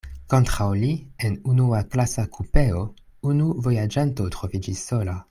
Kontraŭ li, en unuaklasa kupeo, unu vojaĝanto troviĝis sola.